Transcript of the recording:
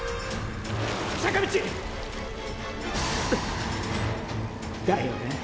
坂道！だよな。